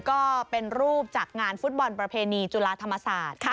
ก็เป็นรูปจากงานฟุตบอลประเพณีจุฬาธรรมศาสตร์